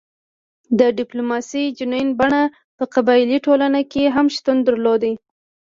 د ډیپلوماسي جنین بڼه په قبایلي ټولنه کې هم شتون درلود